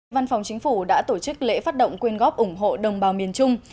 văn phòng chính phủ đã tổ chức lễ phát động quyên góp ủng hộ đồng bào miền trung